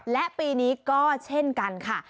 และปีนี้ก็เช่นกันค่ะ